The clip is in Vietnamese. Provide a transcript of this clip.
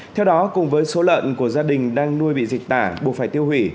theo đó cùng với số lợn của gia đình đang nuôi bị dịch tả buộc phải tiêu hủy